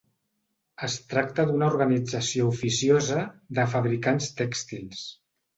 Es tracta d'una organització oficiosa de fabricants tèxtils.